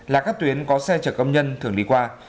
là các tuyến có xe chở công nhân thường đi qua